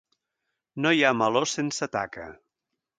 No hi ha meló sense taca.